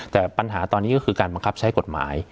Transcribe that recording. แต่ปัญหาตอนนี้ก็คือการบังคับใช้กฎหมาย